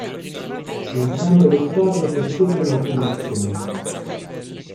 Entrambe le squadre festeggiano la promozione.